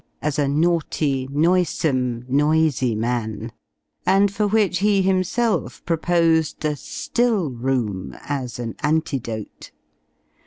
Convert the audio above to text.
as a naughty, noisome, noisy man; and for which he himself proposed the still room, as an antidote.